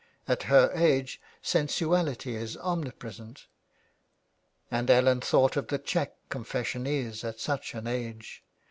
At her age sen suality is omnipresent, and Ellen thought of the check confession is at such an age.